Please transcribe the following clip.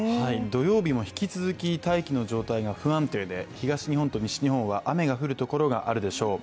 土曜日も引き続き大気の状態が不安定で東日本と西日本は雨が降るところがあるでしょう。